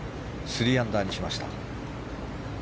３アンダーにしました。